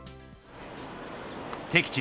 敵地